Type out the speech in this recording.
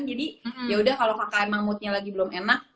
jadi ya udah kalo kakak emang moodnya lagi belum enak